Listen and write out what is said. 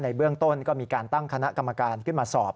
เบื้องต้นก็มีการตั้งคณะกรรมการขึ้นมาสอบ